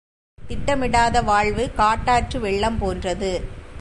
திட்டமிடாத வாழ்வு, காட்டாற்று வெள்ளம் போன்றது.